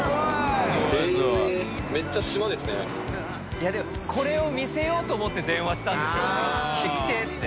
いやでもこれを見せようと思って電話したんですよ。来て」って。